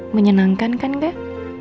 menyenangkan kan nggak